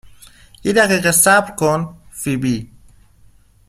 یه دقیقه صبر کن ، فیبی